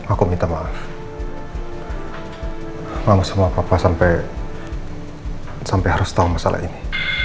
aku minta maaf sama sama papa sampai harus tahu masalah ini